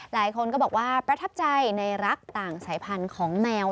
หลายคนก็บอกว่าประทับใจในรักต่างสายพันธุ์ของแมว